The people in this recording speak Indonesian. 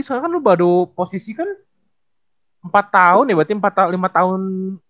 sekarang kan lu baru posisi kan empat tahun ya berarti lima tahun